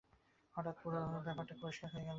তারপর হঠাৎ পুরো ব্যাপারটা পরিষ্কার হয়ে গেল।